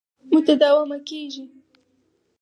متداومه کېږي.